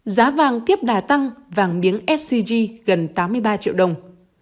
giá vàng tiếp đà tăng vàng miếng sgg gần tám mươi ba triệu đồng